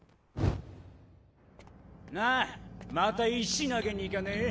なあまた石投げに行かねぇ？